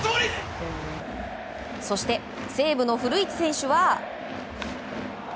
そして、西武の古市選手は。